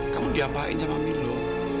kamu diapain sama milo